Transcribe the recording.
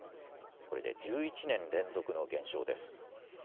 これで１１年連続の減少です。